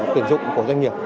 tuyển dụng của doanh nghiệp